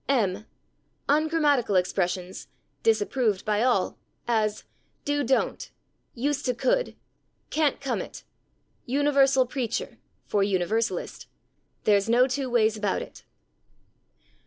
m. "Ungrammatical expressions, disapproved by all," as /do don't/, /used to could/, /can't come it/, /Universal preacher/ (for /Universalist/), /there's no two ways about it